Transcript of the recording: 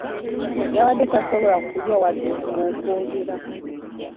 Yabadde tasobola kulya wadde okwogera.